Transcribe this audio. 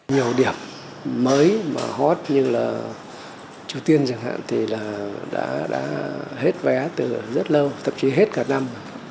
tour mới mà hot như là triều tiên chẳng hạn thì là đã hết vé từ rất lâu thậm chí hết cả năm